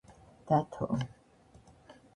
დათო